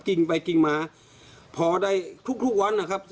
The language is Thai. ไปกิ่งมาพอได้ทุกวันนะครับ